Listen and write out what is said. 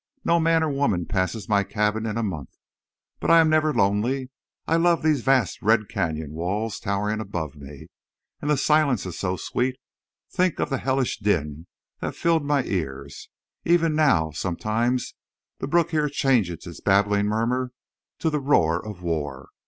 No man or woman passes my cabin in a month. But I am never lonely. I love these vast red canyon walls towering above me. And the silence is so sweet. Think of the hellish din that filled my ears. Even now—sometimes, the brook here changes its babbling murmur to the roar of war.